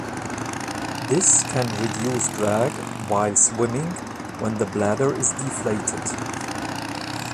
This can reduce drag while swimming when the bladder is deflated.